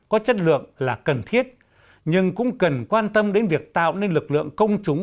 có chất lượng là cần thiết nhưng cũng cần quan tâm đến việc tạo nên lực lượng công chúng